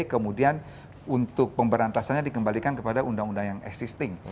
kemudian untuk pemberantasannya dikembalikan kepada undang undang yang existing